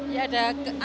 ya ada apa